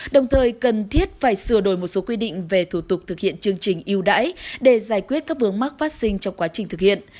đồng thời cần thiết phải sửa đổi một số quy định về thủ tục thực hiện chương trình yêu đáy để giải quyết các vướng mắc phát sinh trong quá trình thực hiện